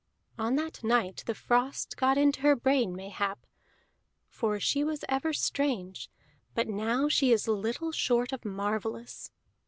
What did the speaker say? "On that night the frost got in her brain, mayhap; for she was ever strange, but now she is little short of marvellous.